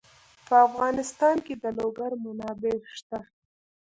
په افغانستان کې د لوگر منابع شته.